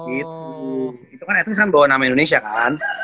itu kan at least kan bawa nama indonesia kan